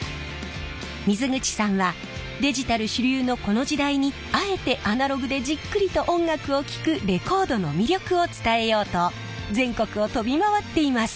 水口さんはデジタル主流のこの時代にあえてアナログでじっくりと音楽を聴くレコードの魅力を伝えようと全国を飛び回っています。